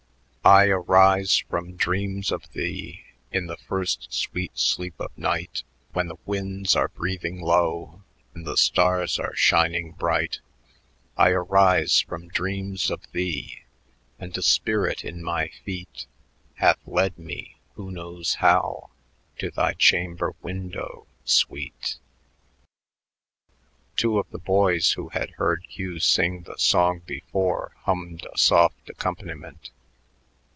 "I arise from dreams of thee In the first sweet sleep of night, When the winds are breathing low And the stars are shining bright. I arise from dreams of thee, And a spirit in my feet Hath led me who knows how? To thy chamber window, Sweet!" Two of the boys, who had heard Hugh sing the song before, hummed a soft accompaniment.